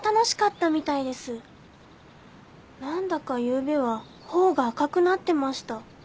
何だかゆうべは頬が赤くなってました。